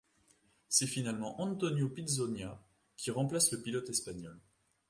C'est finalement Antônio Pizzonia qui remplace le pilote espagnol.